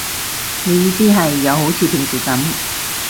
你意思係，又好似平時噉